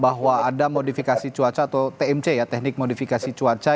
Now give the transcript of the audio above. bahwa ada modifikasi cuaca atau tmc ya teknik modifikasi cuaca